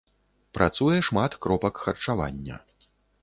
Працуе шмат кропак харчавання.